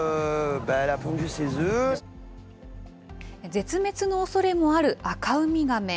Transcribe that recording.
絶滅のおそれもあるアカウミガメ。